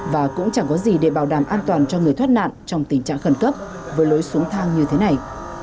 và cũng chẳng có gì để bảo đảm an toàn cho người thoát nạn trong tình trạng khẩn cấp với lối xuống thang như thế này